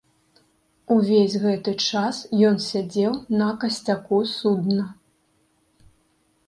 Увесь гэты час ён сядзеў на касцяку судна.